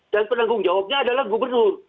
dan penanggung jawabnya adalah gubernur